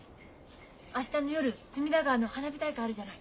明日の夜隅田川の花火大会あるじゃない？